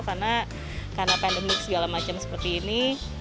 karena pandemi segala macam seperti ini